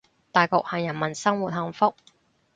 大局係人民生活幸福